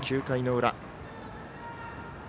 ９回の裏。